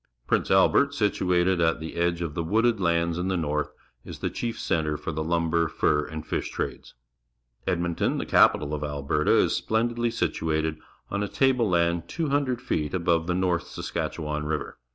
Prince Albert, situated at the edge of the wooded lands in the North, is the chief centre for the lumber, fur, and fish trades. Edmonton, the capital of Alberta, is splen didly situated on a table land 200 feet above the North Saskatchewan River.